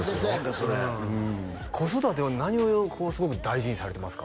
それ子育ては何をすごく大事にされてますか？